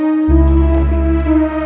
sempur hidup jualan cilok